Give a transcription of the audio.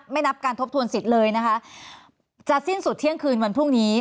นับการทบทวนสิทธิ์เลยนะคะจะสิ้นสุดเที่ยงคืนวันพรุ่งนี้